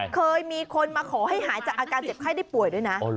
เคยมีคนมาขอให้หายจากอาการเจ็บไข้ได้ป่วยด้วยนะ